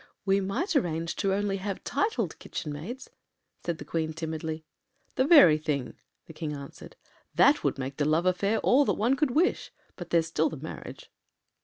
“We might arrange only to have titled kitchen maids,” said the Queen timidly. “The very thing,” the King answered: “that would make the love affair all that one could wish. But there’s still the marriage.